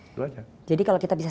itu aja jadi kalau kita bisa